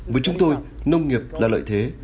với chúng tôi nông nghiệp là lợi thế